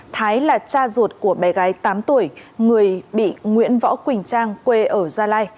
thái là cha ruột của bé gái tám tuổi người bị nguyễn võ quỳnh trang quê ở gia lai